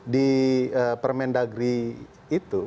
di permendagri itu